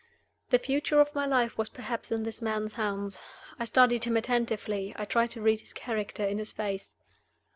The future of my life was perhaps in this man's hands. I studied him attentively: I tried to read his character in his face.